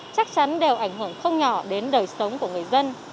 chắc chắn đều ảnh hưởng không nhỏ đến đời sống của người dân